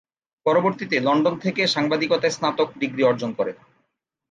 পরবর্তীতে লন্ডন থেকে সাংবাদিকতায় স্নাতক ডিগ্রী অর্জন করেন।